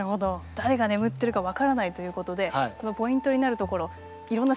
誰が眠ってるか分からないということでそのポイントになるところいろんな説があるわけですよね。